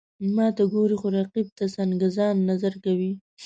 ماته ګوري، خو رقیب ته څنګزن نظر کوي.